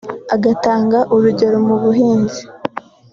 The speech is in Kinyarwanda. agatanga urugero mu buhinzi